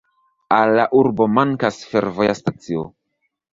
Al la urbo mankas fervoja stacio.